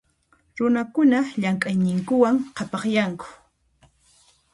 Runakuna llamk'ayninkuwan qhapaqyanku.